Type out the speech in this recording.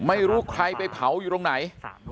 ไม่รู้ใครไปเผาอยู่ตรงไหน